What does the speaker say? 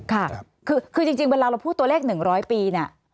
คือจริงเวลาเราพูดตัวเลข๑๐๐ปี